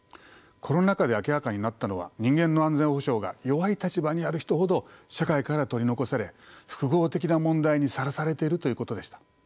コロナ禍で明らかになったのは人間の安全保障が弱い立場にある人ほど社会から取り残され複合的な問題にさらされているということでした。